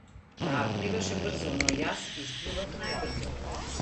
Таа пливаше брзо но јас испливав најбрзо.